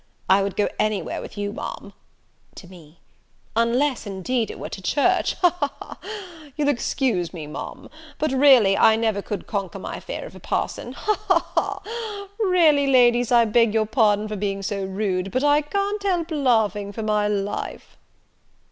I would go any where with you, Ma'am," (to me) "unless, indeed, it were to church; ha, ha, ha! You'll excuse me, Ma'am; but, really, I never could conquer my fear of a parson; ha, ha, ha! Really, ladies, I beg your pardon for being so rude; but I can't help laughing for my life!"